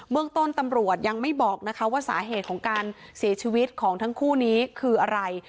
เมืองต้นตำรวจยังไม่บอกนะคะว่าสาเหตุของการเสียชีวิตของทั้งคู่นี้คืออะไร